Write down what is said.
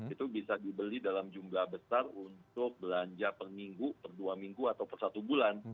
itu bisa dibeli dalam jumlah besar untuk belanja per minggu per dua minggu atau per satu bulan